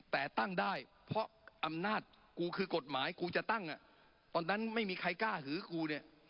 แต่ตั้งได้เพราะอำนาจกูคือกฎหมายกูจะตั้งตอนนั้นไม่มีใครกล้าหือกูเนี่ย